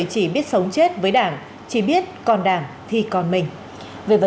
thì mờ thì anh định muốn thế nào